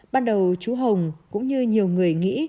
ban đầu chú hồng cũng như nhiều người nghĩ